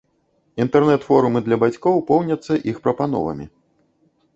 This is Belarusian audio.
Інтэрнэт-форумы для бацькоў поўняцца іх прапановамі.